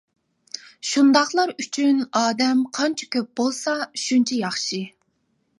شۇنداقلار ئۈچۈن ئادەم قانچە كۆپ بولسا شۇنچە ياخشى.